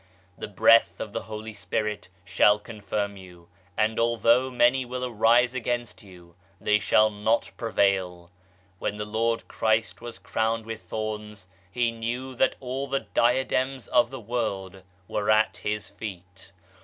The Breath of the Holy Spirit shall confirm you, and although many will arise against you, they shall not prevail I When the Lord Christ was crowned with thorns, He knew that all the diadems of the world were at His feet.